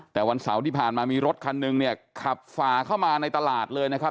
แต่วันเศร้าที่ผ่านมาที่มีรถคันทราบฝาเข้ามาในตลาดเลยนะครับ